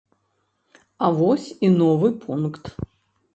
А вось і новы пункт.